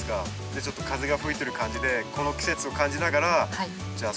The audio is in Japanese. ちょっと風が吹いてる感じでこの季節を感じながらじゃあ